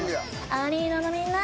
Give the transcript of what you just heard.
アリーナのみんな。